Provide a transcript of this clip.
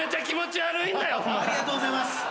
ありがとうございます。